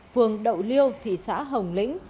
phường đậu liêu thị xã hồng lĩnh